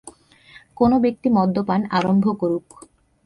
কোন ব্যক্তি মদ্যপান আরম্ভ করুক।